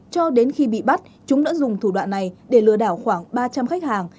cho đến khi bị bắt chúng đã dùng thủ đoạn này để lừa đảo khoảng ba trăm linh khách hàng